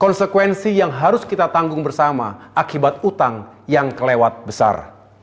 konsekuensi yang harus kita tanggung bersama akibat utang yang kelewat besar